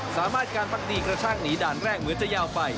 สามารถการพักดีกระชากหนีด่านแรกเหมือนจะยาวไป